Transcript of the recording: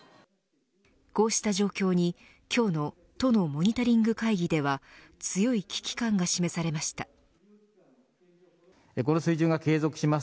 こうした状況に今日の都のモニタリング会議では強い危機感が示されました。